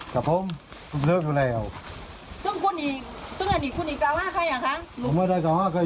เชิญเลยค่ะไม่มีอะไร